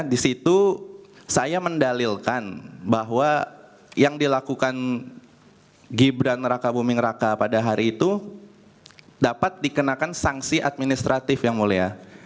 di situ saya mendalilkan bahwa yang dilakukan gibran raka buming raka pada hari itu dapat dikenakan sanksi administratif yang mulia